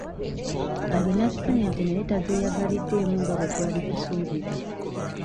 Alina ssente naye tazeeyagaliddeemu nga bwe twali tusuubira.